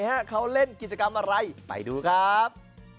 เขาเล่นกิจกรรมอะไรไปดูครับ